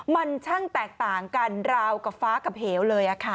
มันช่างแตกต่างกันราวกับฟ้ากับเหวเลย